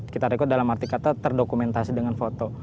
kita rekod dalam arti kata terdokumentasi dengan foto